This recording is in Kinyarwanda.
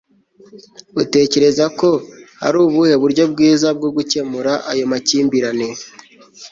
utekereza ko ari ubuhe buryo bwiza bwo gukemura ayo makimbirane